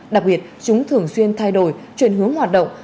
đặc biệt chúng thường xuyên thay đổi chuyển hướng hoạt động